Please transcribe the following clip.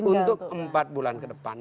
untuk empat bulan ke depan